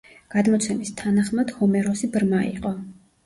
გადმოცემის თანახმად ჰომეროსი ბრმა იყო.